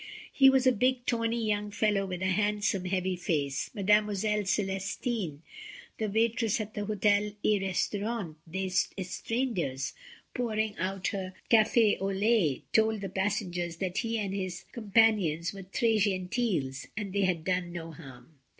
He was a big tawny young fellow with a handsome heavy face. Mademoiselle Celestine, the waitress at the H6tel et Restaurant des Etrangers pouring out her cafh au'lait told the passengers that he and his companions were trh gentils, they had done no harm.